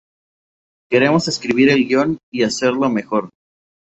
Queremos escribir el guión y hacerlo mejor.